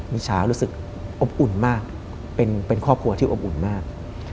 มิชารู้สึกอบอุ่นมากเป็นครอบครัวที่อบอุ่นมาก